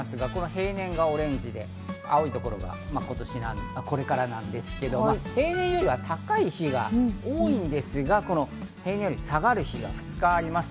平年がオレンジ、青いところが今年、これからなんですが、平年よりは高い日が多いんですが平年より下がる日が２日あります。